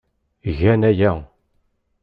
Gan aya.